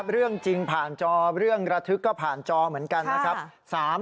เรื่องจริงผ่านจอเรื่องระทึกก็ผ่านจอเหมือนกันนะครับ